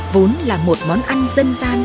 vốn là một món ăn dân dã